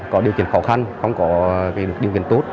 có điều kiện khó khăn không có điều kiện tốt